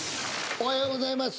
おはようございます。